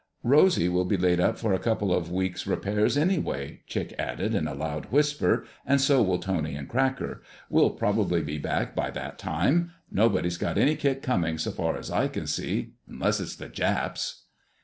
"Rosy will be laid up for a couple of weeks' repairs anyway," Chick added in a loud whisper, "and so will Tony and Cracker. We'll probably be back by that time. Nobody's got any kick coming, so far as I can see—unless it's the Japs!"